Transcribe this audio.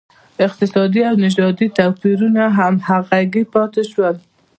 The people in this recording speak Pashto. اقتصادي او نژادي توپیرونه همغږي پاتې شول.